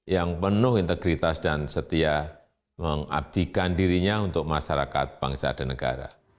yang penuh integritas dan setia mengabdikan dirinya untuk masyarakat bangsa dan negara